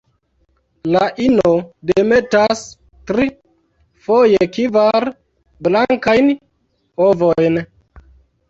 La ino demetas tri, foje kvar, blankajn ovojn.